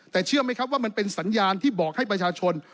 แต่เชื่อไหมครับว่ามันเป็นสัญญาณที่บอกให้ประชาชน